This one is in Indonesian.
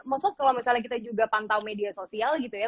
misalnya kita juga pantau media sosial gitu ya